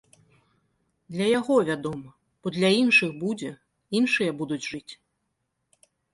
Для яго, вядома, бо для іншых будзе, іншыя будуць жыць.